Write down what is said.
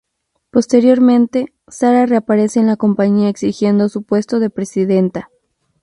Posteriormente, Sara reaparece en la compañía exigiendo su puesto de presidenta.